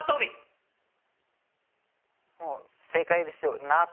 もう正解でしょう。